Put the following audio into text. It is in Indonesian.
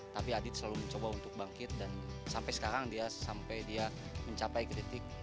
tapi adit selalu mencoba untuk bangkit dan sampai sekarang dia sampai dia mencapai kritik